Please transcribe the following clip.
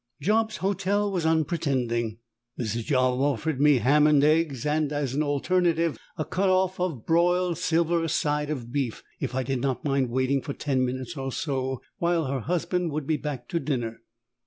Job's hotel was unpretending. Mrs. Job offered me ham and eggs and, as an alternative, a cut off a boiled silver side of beef, if I did not mind waiting for ten minutes or so, when her husband would be back to dinner.